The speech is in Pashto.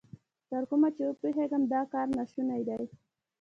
تر کومه چې پوهېږم، دا کار نا شونی دی.